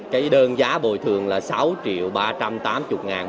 cái đơn giá bồi thường là sáu ba trăm tám mươi m hai